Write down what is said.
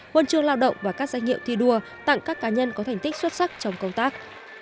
huân chương lao động và các danh hiệu thi đua tặng các cá nhân có thành tích xuất sắc trong công tác